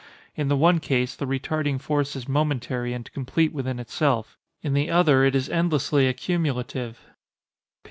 In the one case, the retarding force is momentary and complete within itself—in the other it is endlessly accumulative.